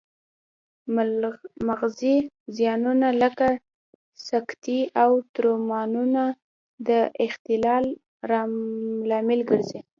مغزي زیانونه لکه سکتې او تومورونه د اختلال لامل ګرځي